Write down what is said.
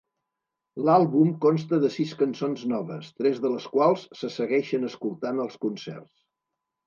L'àlbum consta de sis cançons noves, tres de les quals se segueixen escoltant als concerts.